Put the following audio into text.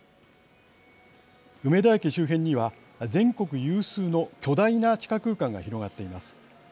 梅田駅周辺には全国有数の巨大な地下空間が広がっています。